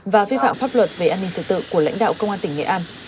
và vi phạm pháp luật về an ninh trật tự của lãnh đạo công an tỉnh nghệ an